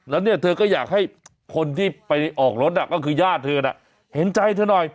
แล้วเนี่ยเธอก็อยากให้คนที่ไปออกรถก็คือญาติเธอน่ะเห็นใจเธอหน่อย